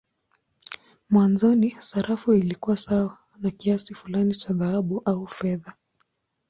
Mwanzoni sarafu ilikuwa sawa na kiasi fulani cha dhahabu au fedha.